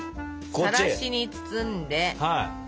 さらしに包んでしぼる！